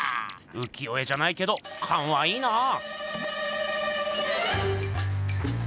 浮世絵じゃないけどカンはいいなぁ。